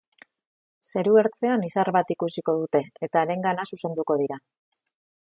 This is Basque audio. Zeruertzean izar bat ikusiko dute eta harengana zuzenduko dira.